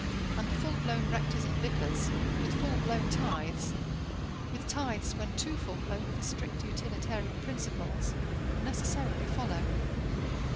And the full blown rectors and vicars, with full blown tithes with tithes when too full blown for strict utilitarian principles will necessarily follow.